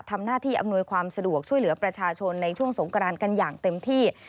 ทำหน้าที่อำนวยความสะดวกช่วยเหลือประชาชนในช่วงสงกรานกันอย่างเต็มที่